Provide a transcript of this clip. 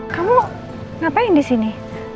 kamu ngapain disini